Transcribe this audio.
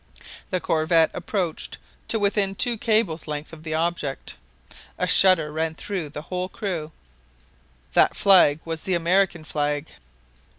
The corvette approached to within two cables' lengths of the object. A shudder ran through the whole crew. That flag was the American flag!